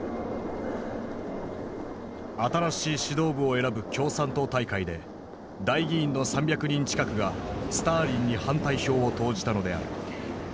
新しい指導部を選ぶ共産党大会で代議員の３００人近くがスターリンに反対票を投じたのである。